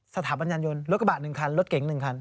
สถาบันยานยนต์รถกระบะ๑คันรถเก๋ง๑คัน